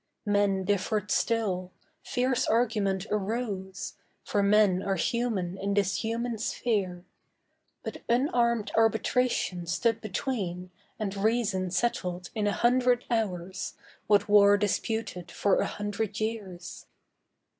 Men differed still; fierce argument arose, For men are human in this human sphere; But unarmed Arbitration stood between And Reason settled in a hundred hours What War disputed for a hundred years.